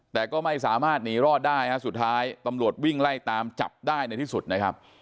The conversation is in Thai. แต่ก็ไม่สามารถหนีรอดได้ฮะสุดท้ายตำรวจวิ่งไล่ตามจับได้ในที่สุดนะครับ